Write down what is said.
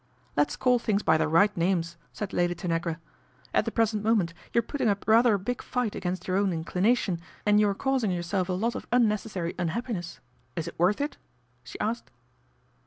" Let's call things by their right names," said Lady Tanagra. " At the present moment you're putting up rather a big fight against your own inclination, and you are causing yourself a lot of unnecessary unhappiness. Is it worth it ?" she asked.